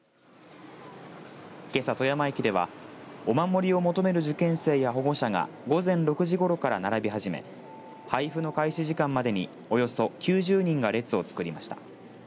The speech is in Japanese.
けさ富山駅ではお守りを求める受験生や保護者が午前６時ごろから並び始め配布の開始時間までにおよそ９０人が列をつくりました。